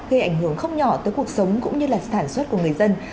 gây ảnh hưởng không nhỏ tới cuộc sống cũng như là sản xuất của người dân